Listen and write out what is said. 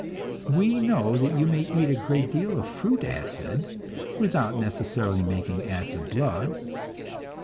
We know that you may eat a great deal of fruit acid without necessarily making acid blood.